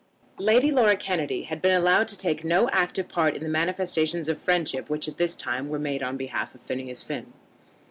Lady Laura Kennedy had been allowed to take no active part in the manifestations of friendship which at this time were made on behalf of Phineas Finn.